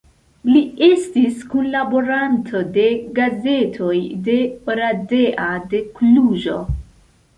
Li estis kunlaboranto de gazetoj de Oradea, de Kluĵo.